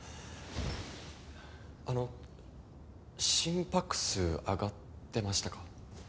あの心拍数上がってましたか？